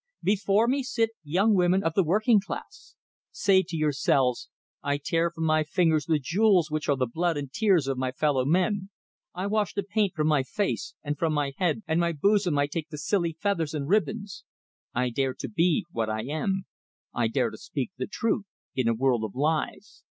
"Before me sit young women of the working class. Say to yourselves: I tear from my fingers the jewels which are the blood and tears of my fellow men; I wash the paint from my face, and from my head and my bosom I take the silly feathers and ribbons. I dare to be what I am. I dare to speak truth in a world of lies.